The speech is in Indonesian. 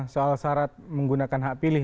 soal syarat menggunakan hak pilih